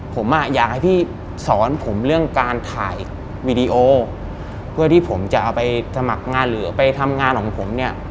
ผมอ่ะอยากให้พี่สอนผมเรื่องการถ่ายวีดีโอเพื่อที่ผมจะเอาไปสมัครงานหรือไปทำงานของผมเนี่ย